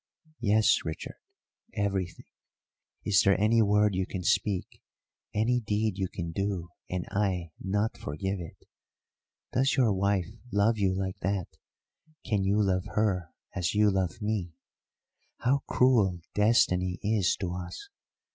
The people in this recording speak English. "Yes, Richard; everything. Is there any word you can speak, any deed you can do, and I not forgive it? Does your wife love you like that can you love her as you love me? How cruel destiny is to us!